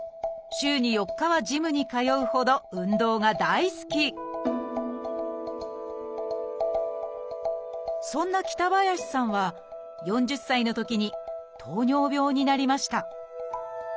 週に４日はジムに通うほど運動が大好きそんな北林さんは４０歳のときに糖尿病になりました